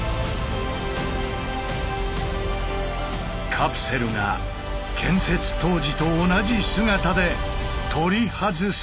カプセルが建設当時と同じ姿で取り外された。